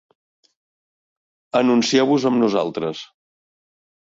Anuncieu-vos amb nosaltres!